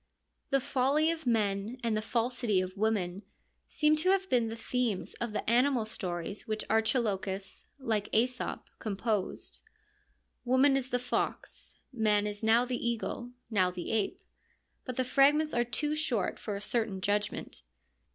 The folly of men and the falsity of women seem to have been the themes of the animal stories which Archilochus, like JEso p, composed. Woman is the fox ; man is now the eagle, now the ape ; but the fragments are too short for a certain judgment.